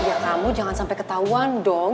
ya kamu jangan sampai ketahuan dong